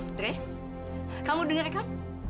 andri kamu dengar kan